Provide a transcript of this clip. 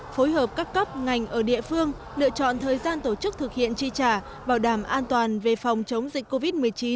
phối hợp các cấp ngành ở địa phương lựa chọn thời gian tổ chức thực hiện chi trả bảo đảm an toàn về phòng chống dịch covid một mươi chín